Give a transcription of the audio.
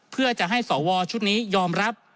เพื่อจะให้สวชุดนี้ยอมรับ